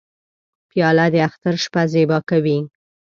پیاله د اختر شپه زیبا کوي.